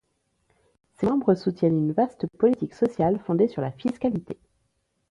Ses membres soutiennent une vaste politique sociale fondée sur la fiscalité.